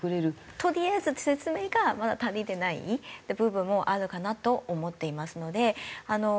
とりあえず説明がまだ足りてない部分もあるかなと思っていますのでまあ本当に。